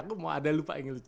aku mau ada lupa yang lucu